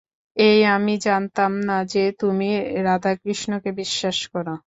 এই আমি জানতাম না যে, তুমি রাধা-কৃষ্ণকে বিশ্বাস করো।